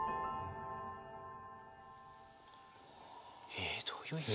えっどういう意味？